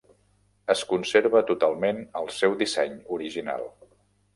Es conserva totalment el seu disseny original.